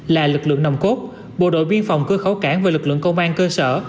là lực lượng nồng cốt bộ đội biên phòng cơ khẩu cảng và lực lượng công an cơ sở